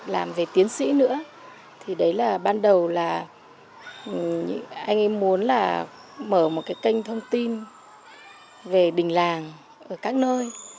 làm về tiến sĩ nữa thì đấy là ban đầu là anh em muốn là mở một cái kênh thông tin về đình làng ở các nơi